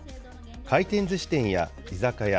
回転ずし店や居酒屋